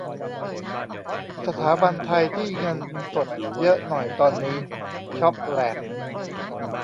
สถาบันไทยที่เงินสดเยอะหน่อยตอนนี้ช็อปแหลก